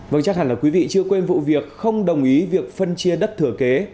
vâng chắc hẳn là quý vị chưa quên vụ việc không đồng ý việc phân chia đất thừa kế